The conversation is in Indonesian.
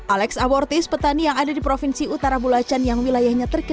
alex abortis petani yang ada di provinsi utara bulacan yang wilayahnya terkenal